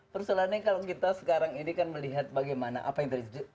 persoalannya kalau kita sekarang ini kan melihat bagaimana apa yang terjadi